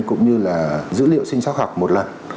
cũng như là dữ liệu sinh chắc học một lần